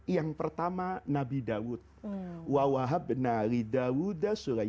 yang pertama nabi daud